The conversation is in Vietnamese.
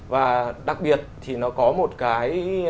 và đặc biệt thì nó có một cái